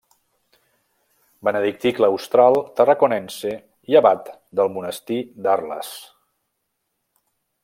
Benedictí claustral Tarraconense i abat del monestir d'Arles.